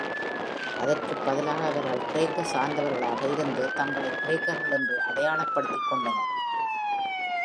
அதற்கு பதிலாக அவர்கள் கிரேக்க சார்ந்தவர்களாக இருந்து தங்களை கிரேக்கர்கள் என்று அடையாளப்படுத்திக் கொண்டனர்.